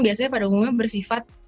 biasanya pada umumnya bersifat